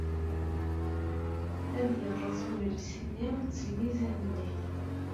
Ad yerreẓ ugris-nni s lmizan-nnek.